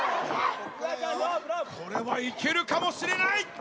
これはいけるかもしれない！